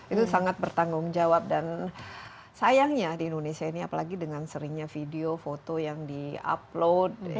itu sangat bertanggung jawab dan sayangnya di indonesia ini apalagi dengan seringnya video foto yang di upload